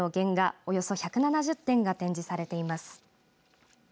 およそ１７０点が展示されています。